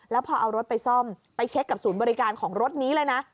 แล้วพอเอารถไปซ่อมไปเช็คกับศูนย์บริการของรถนี้เลยนะ